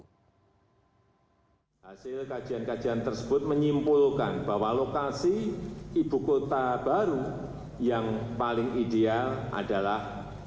hasil kajian kajian tersebut menyimpulkan bahwa lokasi ibu kota baru yang paling ideal adalah